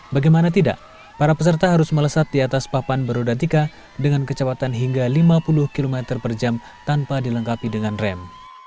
bagaimana tidak para peserta harus melesat di atas papan berodatika dengan kecepatan hingga lima puluh km per jam tanpa dilengkapi dengan rem